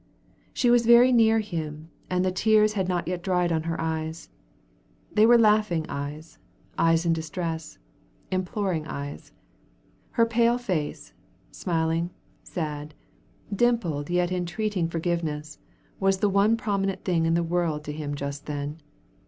She was very near him, and the tears had not yet dried on her eyes. They were laughing eyes, eyes in distress, imploring eyes. Her pale face, smiling, sad, dimpled yet entreating forgiveness, was the one prominent thing in the world to him just then.